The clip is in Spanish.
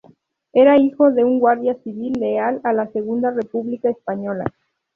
Era hijo de un guardia civil leal a la Segunda República Española.